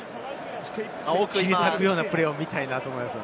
切り裂くようなプレーが見たいと思います。